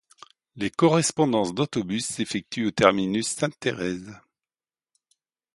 Les correspondances d'autobus s'effectuent au terminus Sainte-Thérèse.